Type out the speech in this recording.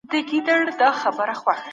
د دورکهايم کتابونه اوس هم لوستل کيږي.